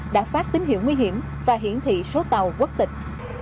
đã phát tín hiệu nguy hiểm và hiển thị số tàu quốc tịch